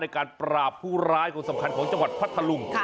การปราบผู้ร้ายคนสำคัญของจังหวัดพัทธลุง